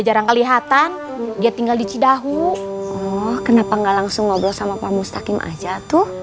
jarang kelihatan dia tinggal di cidahu kenapa nggak langsung ngobrol sama pak mustakim aja tuh